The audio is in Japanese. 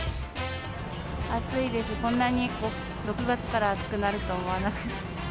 暑いです、こんなに６月から暑くなると思わなかった。